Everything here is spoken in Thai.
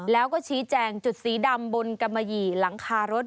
แล้วก็ชี้แจงจุดสีดำบนกำมะหยี่หลังคารถ